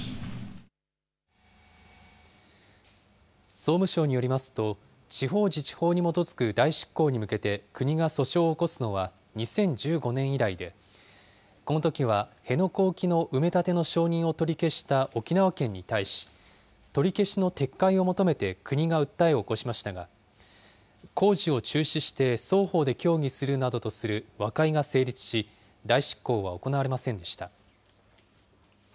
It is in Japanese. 総務省によりますと、地方自治法に基づく代執行に向けて、国が訴訟を起こすのは２０１５年以来で、このときは辺野古沖の埋め立てを承認を取り消した沖縄県に対し、取り消しの撤回を求めて国が訴えを起こしましたが、工事を中止して双方で協議するなどとする和解が成立し、代執行は行われませんでした。